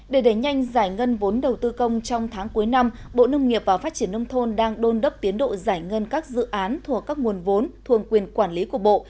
để đẩy nhanh giải ngân vốn đầu tư công trong tháng cuối năm bộ nông nghiệp và phát triển nông thôn đang đôn đốc tiến độ giải ngân các dự án thuộc các nguồn vốn thuộc quyền quản lý của bộ